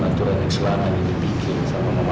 kalo aturan aturan yang selalu ini dibikin sama mama adriana